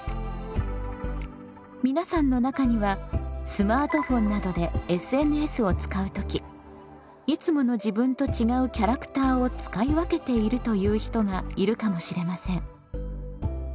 皆さんの中にはスマートフォンなどでＳＮＳを使う時いつもの自分と違うキャラクターを使い分けているという人がいるかもしれません。